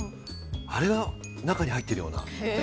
あれが中に入ってるような。